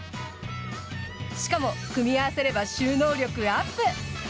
しかも組み合わせれば収納力アップ。